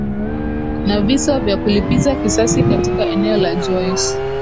na visa vya kulipiza kisasi katika eneo la joes